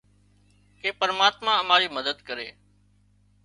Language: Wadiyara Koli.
ڪي پرماتما امارِي مدد ڪري۔